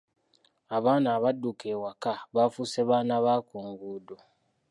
Abaana abadduka ewaka bafuuse baana ba ku nguudo.